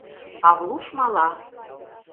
Павлуш мала…